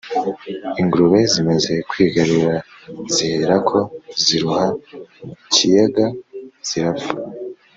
ingurube zimaze kwigarura, ziherako ziroha mu kiyaga zirapfa